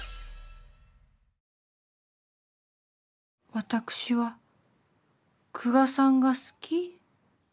私は久我さんが好き？